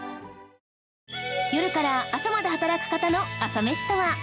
夜から朝まで働く方の朝メシとは